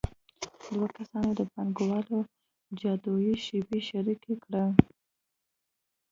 دوه کسانو د پانګوالۍ جادويي شیبه شریکه کړه